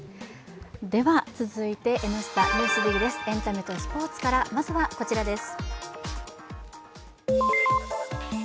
続いて「Ｎスタ・ＮＥＷＳＤＩＧ」です、エンタメとスポーツから、まずはこちらです。